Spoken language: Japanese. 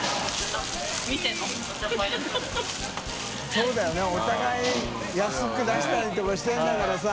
修Δ世茲お互い安く出したりとかしてるんだからさ。